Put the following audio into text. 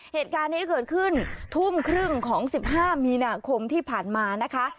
เหตุการณ์นี้เกิดขึ้นทุ่มครึ่งของ๑๕มีนาคมที่ผ่านมานะคะ